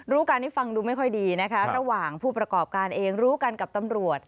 การนี้ฟังดูไม่ค่อยดีนะคะระหว่างผู้ประกอบการเองรู้กันกับตำรวจ